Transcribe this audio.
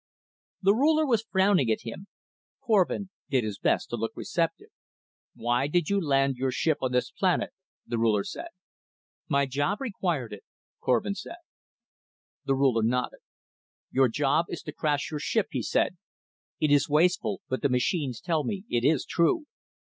The Ruler was frowning at him. Korvin did his best to look receptive. "Why did you land your ship on this planet?" the Ruler said. "My job required it," Korvin said. The Ruler nodded. "Your job is to crash your ship," he said. "It is wasteful but the machines tell me it is true.